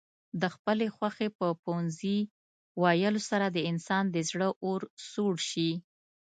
د خپلې خوښې په پوهنځي ويلو سره د انسان د زړه اور سوړ شي.